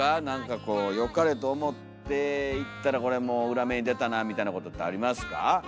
何かこうよかれと思って言ったらこれもう裏目に出たなあみたいなことってありますか？